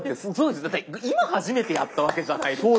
だって今初めてやったわけじゃないですか。